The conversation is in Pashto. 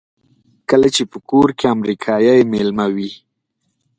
کله چې په کور کې امریکایی مېلمه وي.